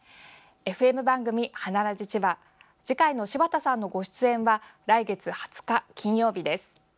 ＦＭ番組「花ラジちば」次回の柴田さんのご出演は来月２０日、金曜日です。